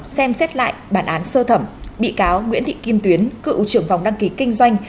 xem xét lại bản án sơ thẩm bị cáo nguyễn thị kim tuyến cựu trưởng phòng đăng ký kinh doanh